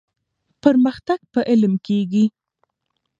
پرمختګ په علم کيږي.